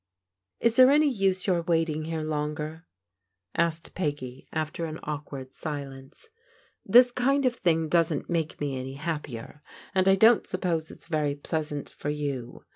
" Is there any use your waiting here longer? " asked Peggy after an awkward silence. " This kind of thmg doesn't make me any happier, and I don't suppose it's very pleasant for you.